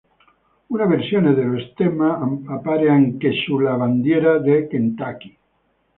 Una versione dello stemma appare anche sulla bandiera del Kentucky.